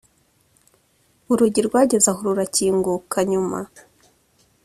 Urugi rwageze aho rurakinguka nyuma